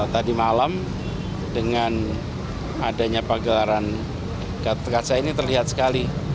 tadi malam dengan adanya panggelaran kata kata saya ini terlihat sekali